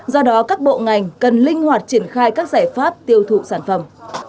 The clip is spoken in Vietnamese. do đó các bộ ngành cần linh hoạt triển khai các giải pháp tiêu thụ sản phẩm